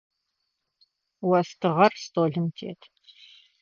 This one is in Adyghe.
Остыгъэр столым тет.